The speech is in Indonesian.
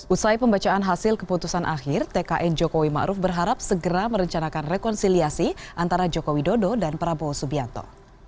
usai pembacaan hasil keputusan akhir tkn jokowi ⁇ maruf ⁇ berharap segera merencanakan rekonsiliasi antara jokowi dodo dan prabowo subianto